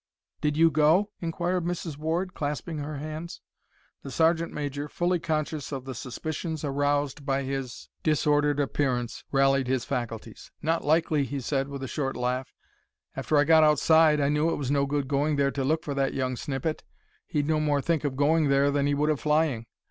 "Did you go?" inquired Mrs. Ward, clasping her hands. The sergeant major, fully conscious of the suspicions aroused by his disordered appearance, rallied his faculties. "Not likely," he said, with a short laugh. "After I got outside I knew it was no good going there to look for that young snippet. He'd no more think of going there than he would of flying.